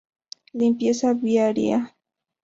Limpieza viaria.